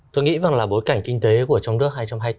tôi nghĩ bối cảnh kinh tế trong nước hai nghìn hai mươi bốn